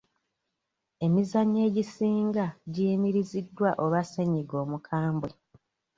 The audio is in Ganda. Emizannyo egisinga giyimiriziddwa olwa ssenyiga omukambwe.